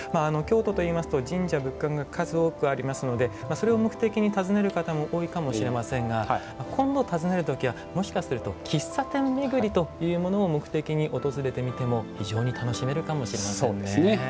京都といいますと神社仏閣が数多くありますのでそれを目的に訪ねる方も多いかもしれませんが今度訪ねる時はもしかすると喫茶店巡りというものを目的に訪れてみても非常に楽しめるかもしれませんね。